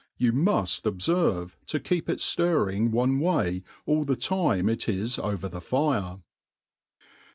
You muft obferve to keep it ftirring one way all the time it is over the fire.